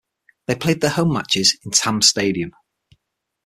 They played their home matches in Tamme Stadium.